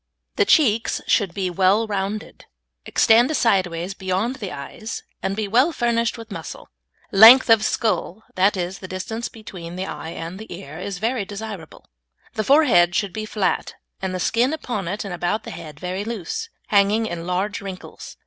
The cheeks should be well rounded, extend sideways beyond the eyes, and be well furnished with muscle. Length of skull that is, the distance between the eye and the ear is very desirable. The forehead should be flat, and the skin upon it and about the head very loose, hanging in large wrinkles.